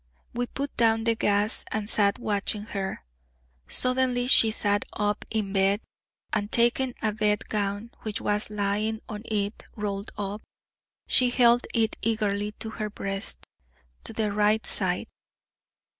We put down the gas and sat watching her. Suddenly she sat up in bed and taking a bedgown which was lying on it rolled up, she held it eagerly to her breast to the right side.